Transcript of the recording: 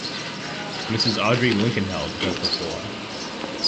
Mrs. Audrey Linkenheld has the floor.